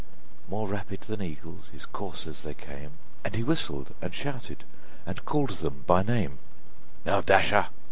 More rapid than eagles his coursers they came, And he whistled, and shouted, and called them by name: "Now, _Dasher!